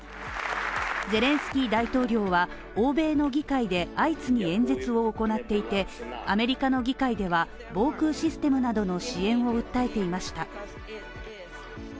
ゼレンスキー大統領は欧米の議会で相次ぎ演説を行っていて、アメリカの議会では、防空システムなどの支援を訴えていました。